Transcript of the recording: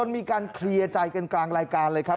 มีการเคลียร์ใจกันกลางรายการเลยครับ